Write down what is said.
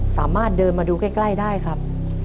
สามารถเดินมาดูใกล้ได้ครับ